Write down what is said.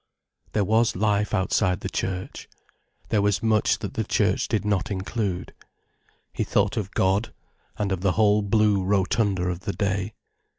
There was life outside the Church. There was much that the Church did not include. He thought of God, and of the whole blue rotunda of the day.